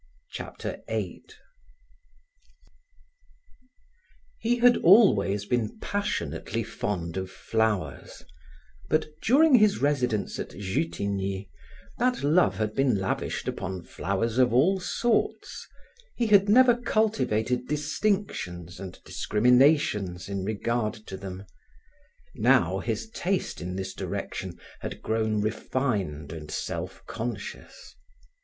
Chapter 8 He had always been passionately fond of flowers, but during his residence at Jutigny, that love had been lavished upon flowers of all sorts; he had never cultivated distinctions and discriminations in regard to them. Now his taste in this direction had grown refined and self conscious.